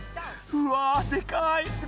うわでかい。